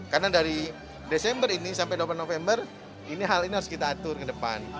karena dari desember ini sampai dua puluh delapan november hal ini harus kita atur ke depan